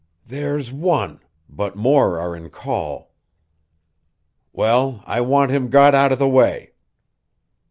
"There's one; but more are in call." "Well, I want him got out of the way."